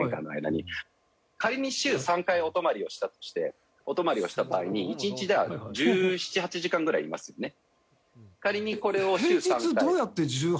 仮に週３回お泊まりをしたとしてお泊まりをした場合に１日じゃあ１７１８時間ぐらいいますよね。